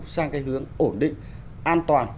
sang cái hướng ổn định an toàn